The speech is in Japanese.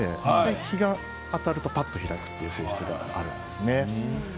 日が当たると開くという性質があるんですね。